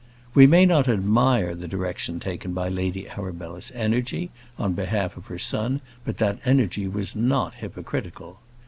We may not admire the direction taken by Lady Arabella's energy on behalf of her son, but that energy was not hypocritical.